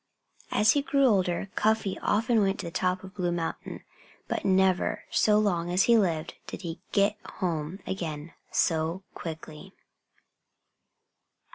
As he grew older Cuffy often went to the top of Blue Mountain. But never, so long as he lived, did he get home again so quickly.